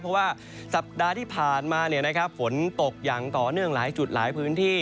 เพราะว่าสัปดาห์ที่ผ่านมาฝนตกอย่างต่อเนื่องหลายจุดหลายพื้นที่